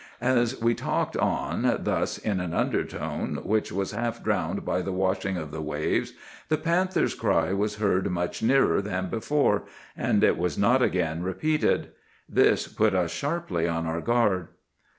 "As we talked on thus in an undertone which was half drowned by the washing of the waves, the panther's cry was heard much nearer than before; and it was not again repeated. This put us sharply on our guard.